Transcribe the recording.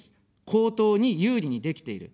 公党に有利にできている。